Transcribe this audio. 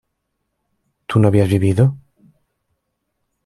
¿tú no habías vivido?